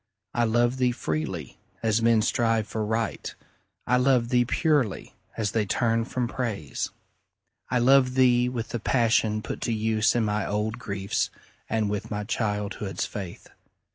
I love thee freely, as men strive for Right; I love thee purely, as they turn from Praise. I love thee with the passion put to use In my old griefs, and with my childhood's faith.